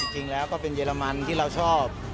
จริงแล้วก็เป็นเยอรมันที่เราชอบ